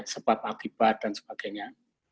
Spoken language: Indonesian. sebab akibat dan sebagainya